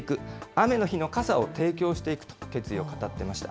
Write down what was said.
雨の日の傘を提供していくと決意を語っていました。